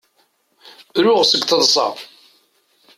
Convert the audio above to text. Ruɣ seg teḍsa.